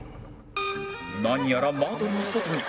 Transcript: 何やら窓の外に